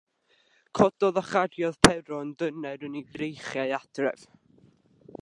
Cododd a chariodd Pero yn dyner yn ei freichiau adref.